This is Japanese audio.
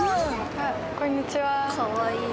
あこんにちは。